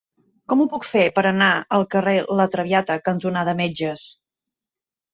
Com ho puc fer per anar al carrer La Traviata cantonada Metges?